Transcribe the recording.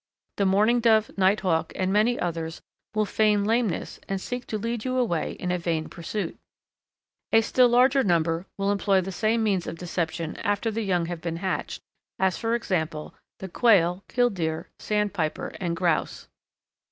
The Mourning Dove, Nighthawk, and many others will feign lameness and seek to lead you away in a vain pursuit. A still larger number will employ the same means of deception after the young have been hatched, as, for example, the Quail, Killdeer, Sandpiper, and Grouse.